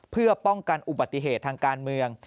เพื่อป้องกันอุบัติเหตุทางการเมือง